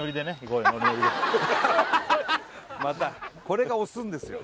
またこれが押すんですよ